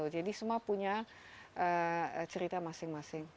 jadi semua punya cerita masing masing